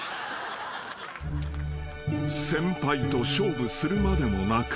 ［先輩と勝負するまでもなく］